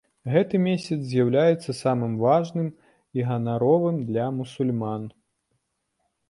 Гэты месяц з'яўляецца самым важным і ганаровым для мусульман.